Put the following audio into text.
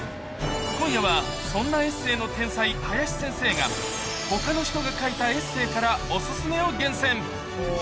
今夜はそんなエッセーの天才、林先生がほかの人が書いたエッセーからお薦めを厳選。